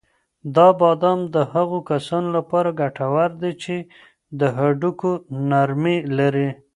دا بادام د هغو کسانو لپاره ګټور دي چې د هډوکو نرمي لري.